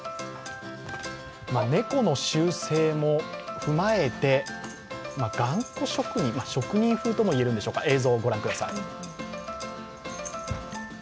猫の習性も踏まえて、職人風といえるんでしょうか映像、御覧ください。